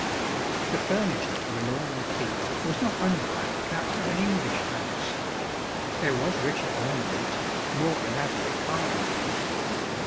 The furniture of a Norman keep was not unlike that of an English house. There was richer ornament more elaborate carving.